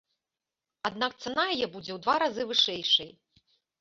Аднак цана яе будзе ў два разы вышэйшай.